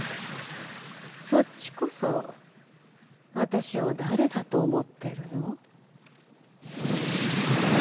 そっちこそ私を誰だと思ってるの？